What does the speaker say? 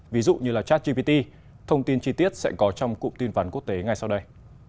ví dụ như chasgpt thông tin chi tiết sẽ có trong cụm tin phản quốc tế ngay sau đây